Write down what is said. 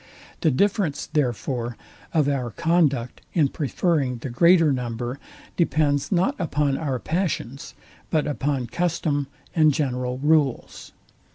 The difference, therefore, of our conduct in preferring the greater number depends not upon our passions, but upon custom, and general rules.